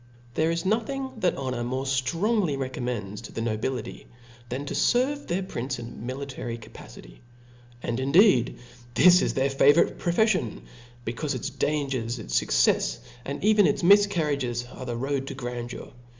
There is nothing that honor more ftrongly re commends to the nobility, than to ferve their prince in a niilitary capacity. And indeed this is their fa vourite profeflion, becaufe its dangers^ its fuccefs, and even its mifcarriages, are the road to grandeur.